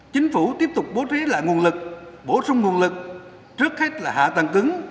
chính phủ tiếp tục bố trí lại nguồn lực bổ sung nguồn lực trước hết là hạ tầng cứng